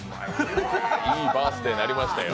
いいバースデーになりました。